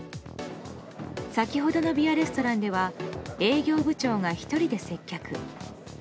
先ほどのビアレストランでは営業部長が１人で接客。